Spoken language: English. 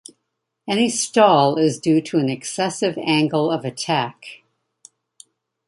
Any stall is due to an excessive angle of attack.